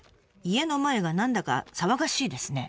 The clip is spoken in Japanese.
家の前が何だか騒がしいですね。